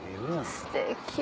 すてき。